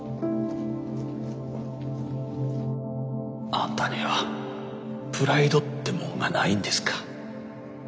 あんたにはプライドってもんがないんですか。